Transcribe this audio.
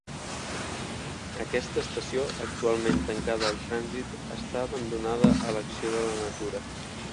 Aquesta estació, actualment tancada al trànsit, està abandonada a l'acció de la natura.